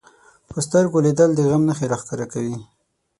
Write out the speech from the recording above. په سترګو لیدل د غم نښې راښکاره کوي